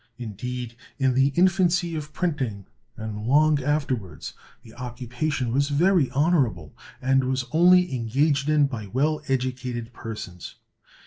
Indeed, in the infancy of printing, and long afterwards, the occupation was very honorable, and was only engaged in by well educated persons.